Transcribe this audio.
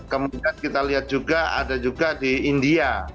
kemudian kita lihat juga ada juga di india